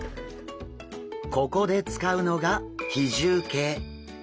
ここで使うのが比重計！